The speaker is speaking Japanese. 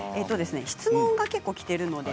質問が結構きているので。